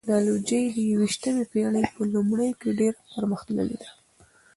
ټکنالوژي د یوویشتمې پېړۍ په لومړیو کې ډېره پرمختللې ده.